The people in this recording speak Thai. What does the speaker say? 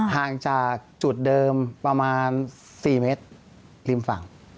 ห่างจากจุดเดิมประมาณ๔เมตรริมฝั่ง